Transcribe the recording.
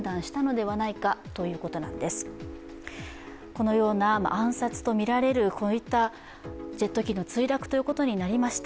このような暗殺とみられるジェット機の墜落ということになりました。